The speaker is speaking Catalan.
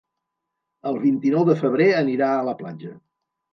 El vint-i-nou de febrer anirà a la platja.